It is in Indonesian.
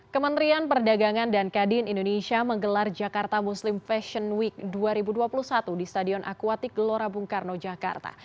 kementerian perdagangan dan kadin indonesia menggelar jakarta muslim fashion week dua ribu dua puluh satu di stadion akuatik gelora bung karno jakarta